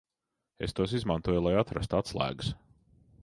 Es tos izmantoju, lai atrastu atslēgas.